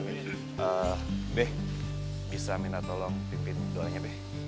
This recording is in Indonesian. eh beh bisa minrah tolong pimpin doanya beh